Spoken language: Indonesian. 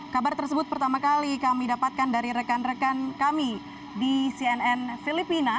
kabar tersebut pertama kali kami dapatkan dari rekan rekan kami di cnn filipina